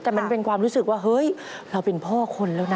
แต่มันเป็นความรู้สึกว่าเฮ้ยเราเป็นพ่อคนแล้วนะ